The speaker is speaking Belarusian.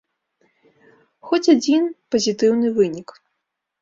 Хоць адзін пазітыўны вынік.